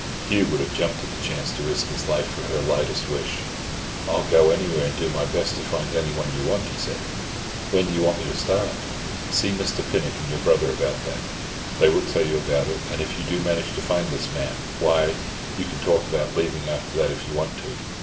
Hugh would have jumped at the chance to risk his life for her lightest wish. "I will go anywhere and do my best to find anyone you want," he said; "When do you want me to start?" "See Mr. Pinnock and your brother about that. They will tell you all about it; and if you do manage to find this man, why, you can talk about leaving after that if you want to.